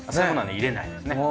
入れないですね。